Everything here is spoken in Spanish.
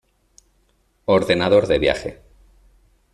Ordenador de viaje.